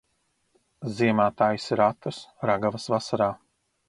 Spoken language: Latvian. Ziemā taisi ratus, ragavas vasarā.